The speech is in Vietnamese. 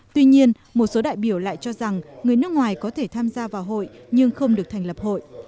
tuy nhiên một số đại biểu lại cho rằng người nước ngoài có thể tham gia vào hội nhưng không được thành lập hội